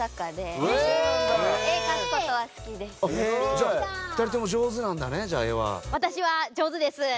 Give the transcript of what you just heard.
じゃあ２人とも上手なんだね絵は。